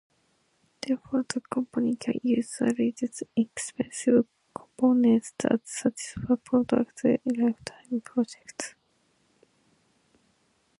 Therefore, the company can use the least expensive components that satisfy product lifetime projections.